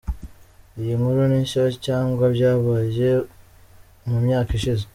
Iyi nkuru ni nshya cg byabaye mu myaka ishize?.